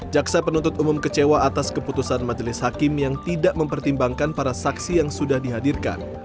jaksa penuntut umum kecewa atas keputusan majelis hakim yang tidak mempertimbangkan para saksi yang sudah dihadirkan